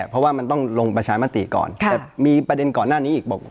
เพราะว่ามันต้องลงประชามติก่อนแต่มีประเด็นก่อนหน้านี้อีกบอก